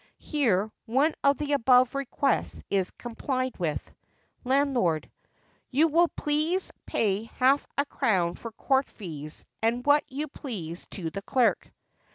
Here one of the above requests is complied with. Landlord. You will please pay half a crown for court fees, and what you please to the clerk.